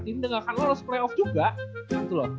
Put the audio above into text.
tim denger kan lu harus playoff juga gitu loh